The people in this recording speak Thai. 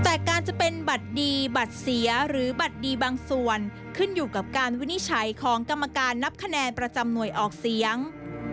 แต่การจะเป็นบัตรดีบัตรเสียหรือบัตรดีบางส่วนขึ้นอยู่กับการวินิจฉัยของกรรมการนับคะแนนประจำหน่วยออกเสียง